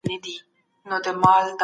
سياست پوهنه د عامه ګټو د ساتلو لاري لټوي.